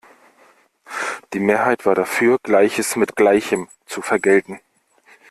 Die Mehrheit war dafür, Gleiches mit Gleichem zu vergelten.